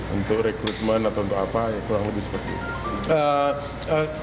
untuk rekrutmen atau untuk apa kurang lebih seperti itu